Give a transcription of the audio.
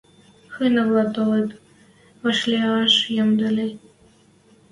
Хынавлӓ толыт — вӓшлиӓш йӓмдӹ ли.